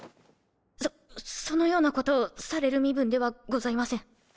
そそのようなことをされる身分ではございません。